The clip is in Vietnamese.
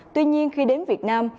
tuy nhiên khi đến việt nam